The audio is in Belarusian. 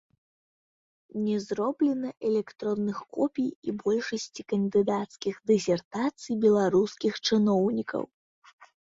Не зроблена электронных копій і большасці кандыдацкіх дысертацый беларускіх чыноўнікаў.